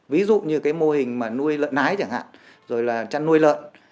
ví dụ như cái mô hình mà nuôi lợn nái chẳng hạn rồi là chăn nuôi lợn